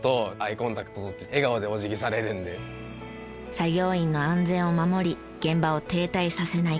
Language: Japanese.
作業員の安全を守り現場を停滞させない。